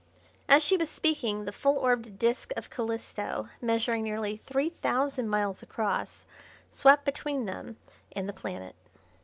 As she was speaking the full orbed disc of Calisto, measuring nearly three thousand miles across, swept between them and the planet.